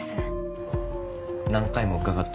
何回も伺って。